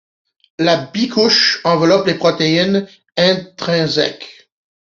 La bicouche enveloppe les protéines intrinsèques.